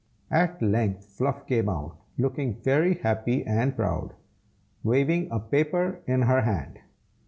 At length Fluff came out, looking very happy and proud, waving a paper in her hand.